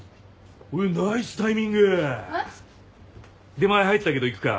出前入ったけど行くか？